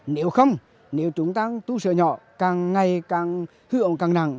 nếu không nếu chúng ta tu sửa nhỏ càng ngày càng hư hỏng càng nặng